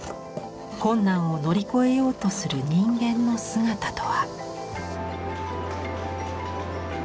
困難を乗り越えようとする人間の姿とは。